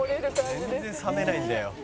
「全然冷めないんだよ」